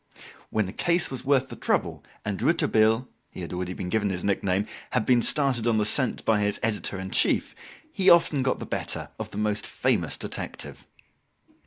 When a case was worth the trouble and Rouletabille he had already been given his nickname had been started on the scent by his editor in chief, he often got the better of the most famous detective.